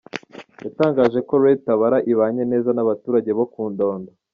Yatangaje ko Red Tabara ibanye neza n’abaturage bo ku Ndondo.